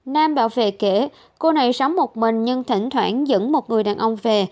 nam bảo vệ kể cô này sống một mình nhưng thỉnh thoảng dẫn một người đàn ông về